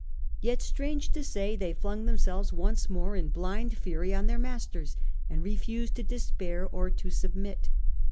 Yet, strange to say, they flung them selves once more in blind fury on their masters, and refused to despair or to submit.